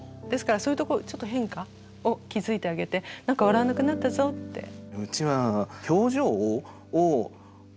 ですからそういうところちょっと変化を気付いてあげてなんか笑わなくなったぞって。